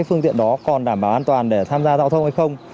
phương tiện đó còn đảm bảo an toàn để tham gia giao thông hay không